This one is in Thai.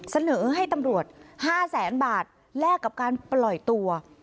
เสนอให้ตำรวจ๕แสนบาทแลกกับการปล่อยตัว